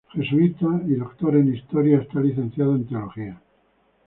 Jesuita y doctor en Historia, está licenciado en Teología.